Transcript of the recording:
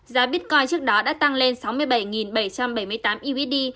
giá bitcoin trước đó đã tăng lên sáu mươi bảy bảy trăm bảy mươi tám ibd